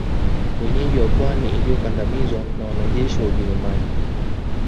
wenyeji wa pwani iliyokandamizwa na wanajeshi wa Ujerumani